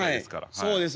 そうです。